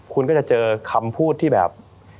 คุณก็จะมองมีคำพูดที่แบบ